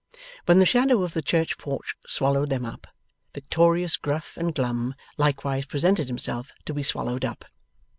When the shadow of the church porch swallowed them up, victorious Gruff and Glum likewise presented himself to be swallowed up.